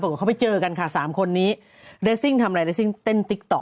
บอกว่าเขาไปเจอกันค่ะสามคนนี้ทำไรเร่งเป้นติ๊กต๊อก